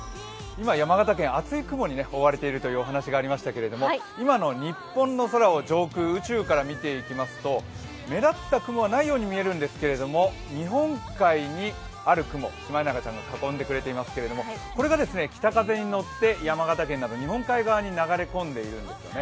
今、山形県厚い雲に覆われているというお話がありましたが今の日本の空を上空、宇宙から見ていきますと目立った雲はないように見えますが日本海にある雲、シマエナガちゃんが囲んでくれていますけれどもこれが北風に乗って山形県など日本海側に流れこんできています。